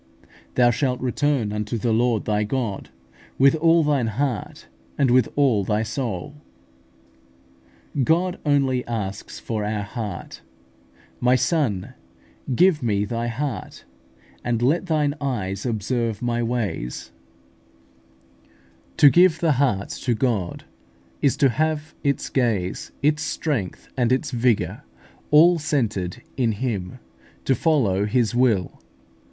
"Thou shalt return unto the Lord thy God ... with all thine heart and with all thy soul" (Deut. xxx. 2). God only asks for our heart: "My son, give me thy heart, and let thine eyes observe my ways" (Prov. xxiii. 26). To give the heart to God is to have its gaze, its strength, and its vigour all centred in Him, to follow His will.